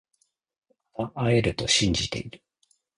また会えると信じてる